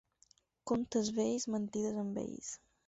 Comptes vells, mentides amb ells.